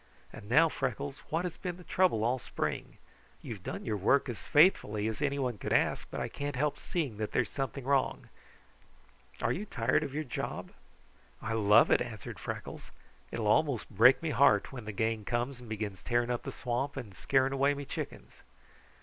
And now, Freckles, what has been the trouble all spring? You have done your work as faithfully as anyone could ask, but I can't help seeing that there is something wrong. Are you tired of your job?" "I love it," answered Freckles. "It will almost break me heart when the gang comes and begins tearing up the swamp and scaring away me chickens."